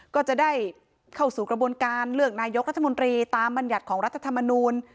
ก็จะได้เข้าสู่กระบวนการเลือกนายกรัฐมนตรีตามบรรยัติของรัฐธรรมนูล